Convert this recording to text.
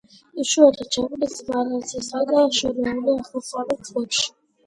იშვიათად შემოდის ბარენცისა და შორეული აღმოსავლეთის ზღვებში.